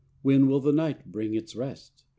When will the night bring its rest ?